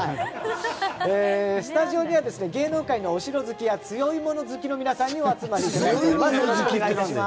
スタジオには芸能界のお城好きや強いもの好きの皆様にお集まりいただきました。